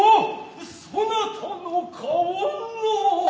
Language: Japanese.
そなたの顔は。